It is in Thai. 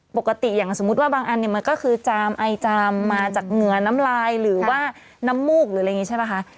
ปกติอย่างสมมุติว่าบางอันเนี่ยมันก็คือจามไอจามมาจากเหงื่อน้ำลายหรือว่าน้ำมูกหรืออะไรอย่างนี้ใช่ป่ะคะ